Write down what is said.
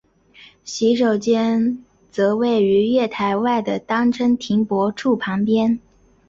洗手间则位于月台外的单车停泊处旁边。